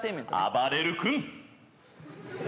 あばれる君！